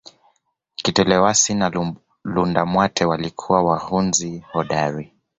Kitelewasi na Lundamatwe na walikuwa wahunzi hodari